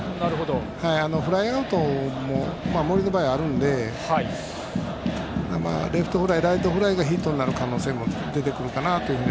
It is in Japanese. フライアウトも森の場合あるのでレフトフライ、ライトフライがヒットになる可能性も出てくると。